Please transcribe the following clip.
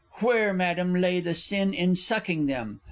Where, Madam, lay the sin in sucking them?